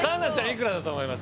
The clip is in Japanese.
いくらだと思います？